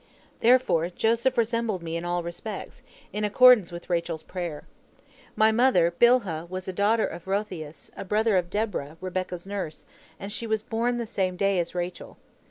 Therefore Joseph resembled me in all respects, in accordance with Rachel's prayer. My mother Bilhah was a daughter of Rotheus, a brother of Deborah, Rebekah's nurse, and she was born the same day as Rachel.